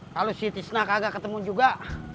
kalo si tisna kagak ketemu juga